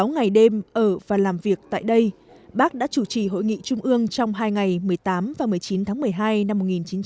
sáu ngày đêm ở và làm việc tại đây bác đã chủ trì hội nghị trung ương trong hai ngày một mươi tám và một mươi chín tháng một mươi hai năm một nghìn chín trăm bảy mươi